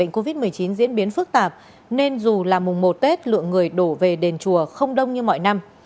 covid một mươi chín diễn biến phức tạp nên dù là mùng một tết lượng người đổ về đền chùa không đông như mọi năm